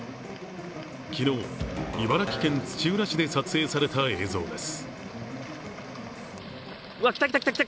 昨日、茨城県土浦市で撮影された映像です。